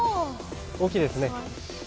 大きいですね。